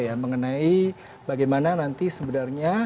ya mengenai bagaimana nanti sebenarnya